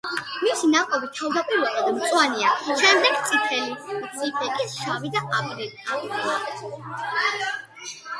მისი ნაყოფი თავდაპირველად მწვანეა, შემდეგ წითელი, მწიფე კი შავი და პრიალა.